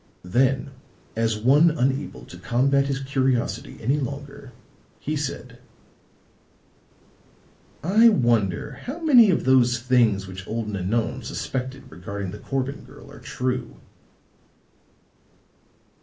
Then, as one unable to combat his curiosity any longer, he said: "I wonder how many of those things which old Nanon suspected regarding the Corbin girl are true?"